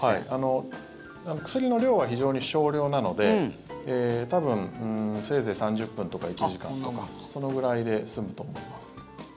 薬の量は非常に少量なので多分、せいぜい３０分とか１時間とかそのぐらいで済むと思います。